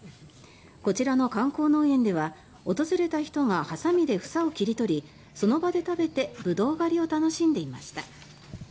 こちらの観光農園では訪れた人がハサミで房を切り取りその場で食べてブドウ狩りを楽しんでいました。